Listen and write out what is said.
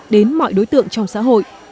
đến mọi đối tượng trong xã hội